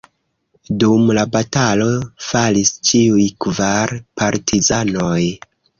Dum la batalo falis ĉiuj kvar partizanoj.